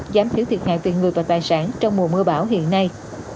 giám thiếu thiệt hại tuyên người và tài sản trong mùa mưa bão hiện nay